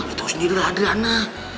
itu sendiri lah adriana